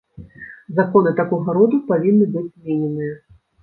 Законы такога роду павінны быць змененыя.